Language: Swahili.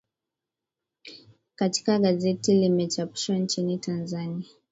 kiko katika gazeti limechapishwa nchini tanzania